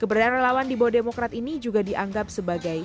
keberadaan relawan di bawah demokrat ini juga dianggap sebagai